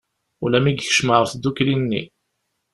Ula mi yekcem ɣer tddukli-nni.